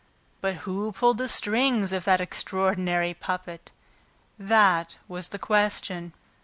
But who pulled the strings of that extraordinary puppet? That was the question.